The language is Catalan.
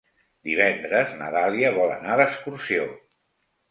Divendres na Dàlia vol anar d'excursió.